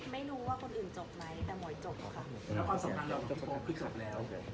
ไม่รู้ว่ากลุ่นอื่นจบไหมแต่หมวยจบกันค่ะ